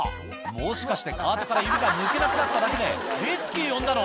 もしかしてカートから指が抜けなくなっただけで、レスキュー呼んだの？